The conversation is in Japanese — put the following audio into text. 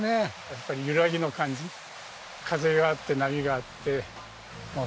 やっぱり揺らぎの感じ風があって波があってもう最高ですね。